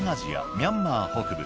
ミャンマー北部